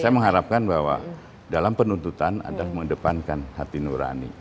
saya mengharapkan bahwa dalam penuntutan adalah mengedepankan hati nurani